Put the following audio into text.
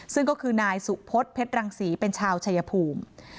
ซึ่งก็คือนายสุพศเพชรรังศรีเป็นชาวชายภูมิ